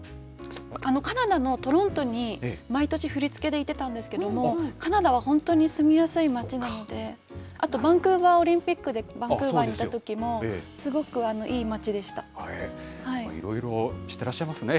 カナダのトロントに、毎年、振り付けで行ってたんですけども、カナダは本当に住みやすい街なので、あとバンクーバーオリンピックでバンクーバーに行ったときも、いろいろ知ってらっしゃいますね。